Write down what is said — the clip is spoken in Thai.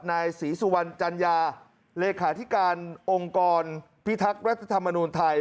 นายศรีสุวรรณจัญญาเลขาธิการองค์กรพิทักษ์รัฐธรรมนูญไทย